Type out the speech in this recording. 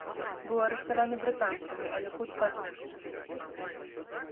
Быў арыштаваны брытанцамі, але хутка адпушчаны.